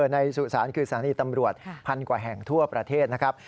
สุสานคือสถานีตำรวจพันกว่าแห่งทั่วประเทศนะครับ